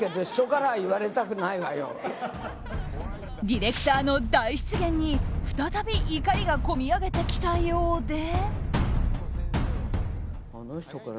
ディレクターの大失言に再び怒りが込み上げてきたようで。